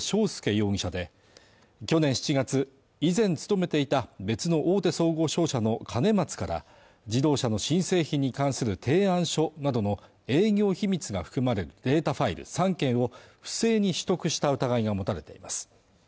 容疑者で去年７月以前勤めていた別の大手総合商社の兼松から自動車の新製品に関する提案書などの営業秘密が含まれていたファイル３件を不正に取得した疑いが持たれています